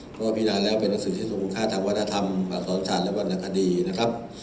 เพราะว่าพี่นานแล้วเป็นหนังสือที่สมควรค่าทั้งวัฒนธรรมประสอบศาลและวรรณคดีนะครับ